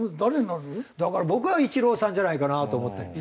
だから僕はイチローさんじゃないかなと思ってるんです。